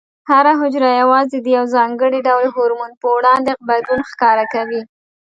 هره حجره یوازې د یو ځانګړي ډول هورمون په وړاندې غبرګون ښکاره کوي.